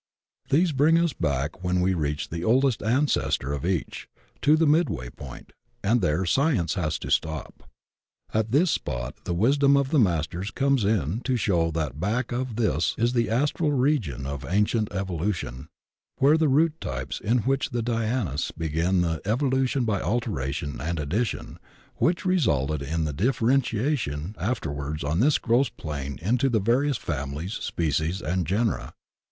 These bring us back, when we reach the oldest ancestor of each, to the midway point, and there Science has to stop. At this spot the wisdom of the Masters comes in to show that back of this is the astral region of ancient evolution, where were the root types in which the Dhyanis began the evolution by alteration and addition which resulted in the differentiation afterwards on this gross plane into the various families, species and genera.